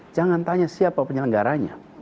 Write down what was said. jangan tanya siapa penyelenggaranya